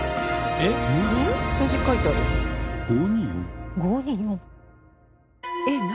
えっ何？